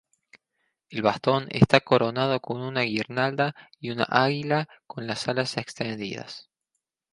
El bastón está coronado con una guirnalda y una águila con las alas extendidas.